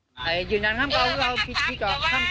พี่สาวอยู่ที่อุดรธานีแล้วพี่สาวกลับไปอยู่ที่อุดรธานี